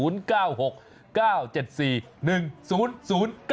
เย่ไปเลยร้านเฝอหม้อไฟจังหวัดเลอร์